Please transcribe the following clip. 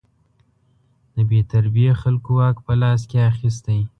د بې تربیې خلکو واک په لاس کې اخیستی.